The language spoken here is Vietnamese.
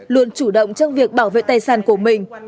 luôn chủ động trong việc bảo vệ tài sản của mình